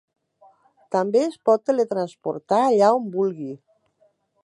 També es pot teletransportar allà on vulgui.